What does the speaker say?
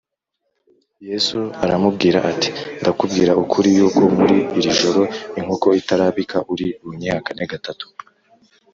Yesu aramubwira ati “Ndakubwira ukuri yuko muri iri joro, inkoko itarabika uri bunyihakane gatatu.”